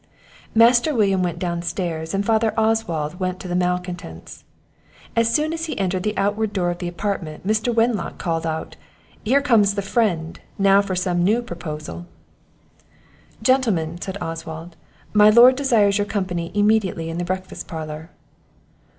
Master William went down stairs, and Father Oswald went to the malcontents. As soon as he entered the outward door of their apartment, Mr. Wenlock called out. "Here comes the friend now for some new proposal!" "Gentlemen," said Oswald, "my lord desires your company immediately in the breakfast parlour."